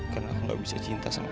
karena aku gak bisa cinta sama kamu